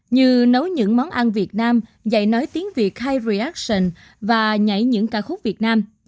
như nấu những món ăn việt nam dạy nói tiếng việt hiry ation và nhảy những ca khúc việt nam